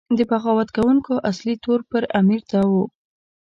د بغاوت کوونکو اصلي تور پر امیر دا و.